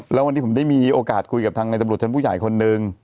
แล้ววันนี้ผมได้มีโอกาสคุยกับทางในตำรวจชั้นผู้ใหญ่คนหนึ่ง